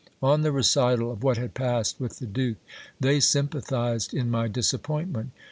On the recital of what had passed with the duke, they sympathized in my disappointment.